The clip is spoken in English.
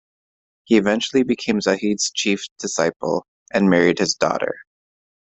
He eventually became Zahid's chief disciple and married his daughter.